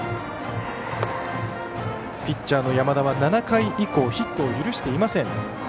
ピッチャーの山田は７回以降ヒットを許していません。